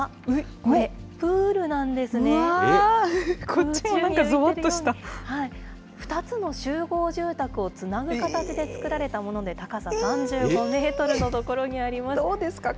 これ、うわぁ、こっちもなんか、ぞ２つの集合住宅をつなぐ形で作られたもので、高さ３５メートルの所にあります。